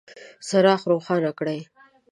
څراغ روښانه کړئ